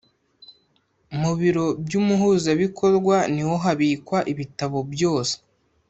Mu biro by’Umuhuzabikorwa niho habikwa ibitabo byose